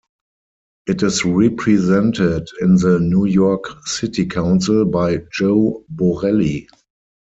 It is represented in the New York City Council by Joe Borelli.